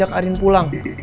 ajak arin pulang